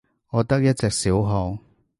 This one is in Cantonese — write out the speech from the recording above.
我得一隻小號